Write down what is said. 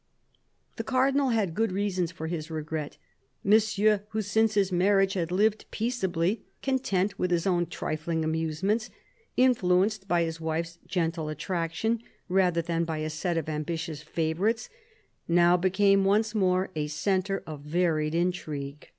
The Cardinal had good reasons for his regret. Monsieur, who since his marriage had lived peaceably, content with his own trifling amusements, influenced by his wife's gentle attraction rather than by a set of ambitious favourites, now became once more a centre of varied intrigue.